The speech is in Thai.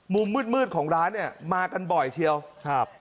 มุมมืดมืดของร้านเนี่ยมากันบ่อยเชียวครับ